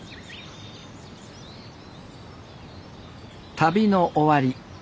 旅の終わり